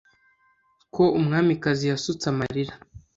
ko umwamikazi yasutse amarira,